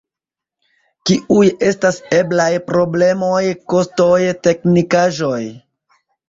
Kiuj estas eblaj problemoj, kostoj, teknikaĵoj?